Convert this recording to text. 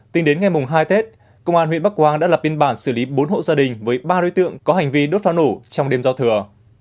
tính đến ngày hai tết công an huyện bắc quang đã lập biên bản xử lý bốn hộ gia đình với ba đối tượng có hành vi đốt phá nổ trong đêm giao thừa